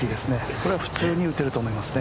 これは普通に打てると思いますね。